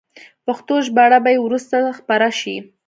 پښتو ژباړه به یې وروسته خپره شي.